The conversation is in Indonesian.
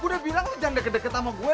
gua udah bilang jangan deket deket sama gue